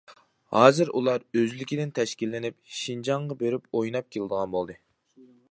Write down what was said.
ھازىر ئۇلار ئۆزلۈكىدىن تەشكىللىنىپ، شىنجاڭغا بېرىپ، ئويناپ كېلىدىغان بولدى.